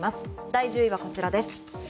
第１０位はこちらです。